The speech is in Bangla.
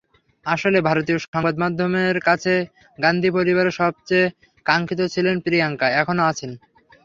আসলে ভারতীয় সংবাদমাধ্যমের কাছে গান্ধী পরিবারের সবচেয়ে কাঙ্ক্ষিত ছিলেন প্রিয়াঙ্কা, এখনো আছেন।